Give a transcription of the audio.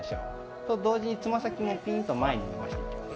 と同時につま先もピーンと前に伸ばしていきます。